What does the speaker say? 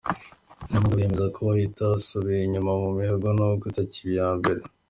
Nyamagabe yemeza ko itasubiye inyuma mu mihigo n’ubwo itakiba iya mbere